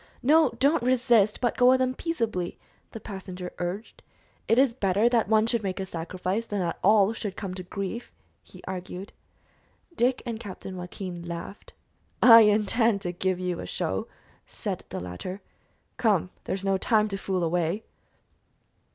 "No, don't resist, but go with 'em peaceably," the passenger urged. "It is better that one should make a sacrifice than that all should come to grief," he argued. Dick and Captain Joaquin laughed. "I intend to give you a show," said the latter. "Come, there is no time to fool away!"